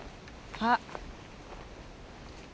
あっ。